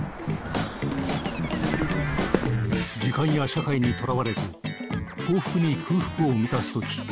時間や社会にとらわれず幸福に空腹を満たすとき